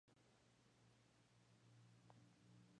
Participaciones en Discos